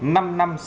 năm năm sáu tháng tù